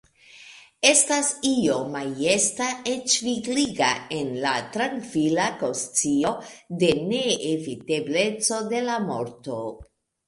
Estas io majesta, eĉ vigliga, en la trankvila konscio de neevitebleco de la morto.